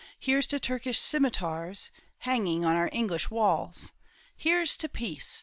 Here's to Turkish scimitars Hanging on our English walls ! Here's to peace